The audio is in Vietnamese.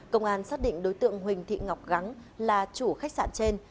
công an xác định đối tượng huỳnh thị ngọc vắng là chủ khách sạn trên